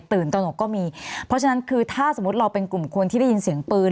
ตนกก็มีเพราะฉะนั้นคือถ้าสมมุติเราเป็นกลุ่มคนที่ได้ยินเสียงปืน